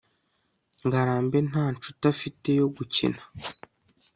ngarambe nta nshuti afite yo gukina